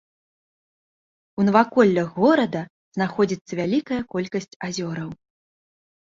У наваколлях горада знаходзіцца вялікая колькасць азёраў.